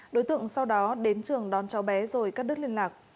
đối tượng sau đó đến trường đón cháu bé rồi cắt đứt liên lạc